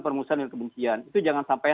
permusuhan dan kebencian itu jangan sampai